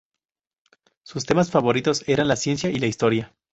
Sus temas favoritos eran la ciencia y la historia.